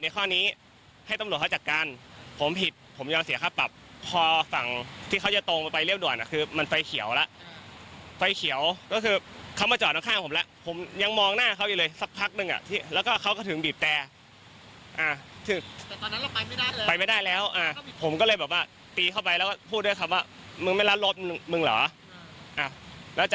เข้าหาผมผมก็ต้องเอามือค้ำผมไม่ได้บีบคอเขานะ